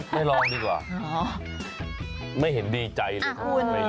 ไม่ลองดีกว่าไม่เห็นดีใจเลย